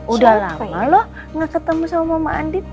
udah lama loh gak ketemu sama mama andit